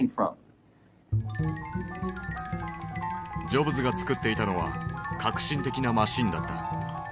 ジョブズが作っていたのは革新的なマシンだった。